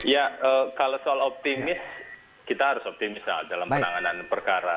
ya kalau soal optimis kita harus optimis dalam penanganan perkara